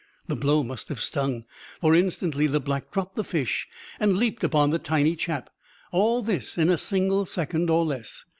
The blow must have stung. For, instantly, the Black dropped the fish and leaped upon the tiny chap. All this in a single second or less.